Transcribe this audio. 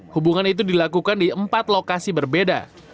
hubungan itu dilakukan di empat lokasi berbeda